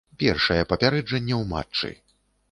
Першае папярэджанне ў матчы.